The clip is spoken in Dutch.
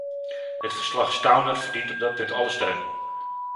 Het verslag-Stauner verdient op dat punt alle steun.